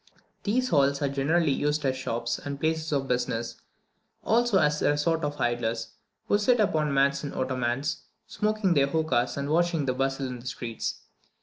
These halls are generally used as shops and places of business; also as the resort of idlers, who sit upon mats and ottomans, smoking their hookas and watching the bustle in the streets.